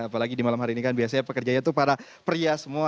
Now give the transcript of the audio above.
apalagi di malam hari ini kan biasanya pekerjanya itu para pria semua